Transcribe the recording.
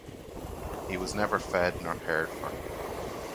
He was never fed nor cared for.